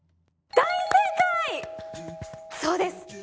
そうです